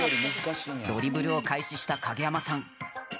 ドリブルを開始した影山さん。